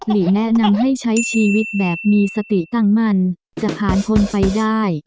ลีแนะนำให้ใช้ชีวิตแบบมีสติตั้งมันจะผ่านพ้นไปได้